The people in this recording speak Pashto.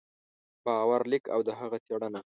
باور لیک او د هغه څېړنه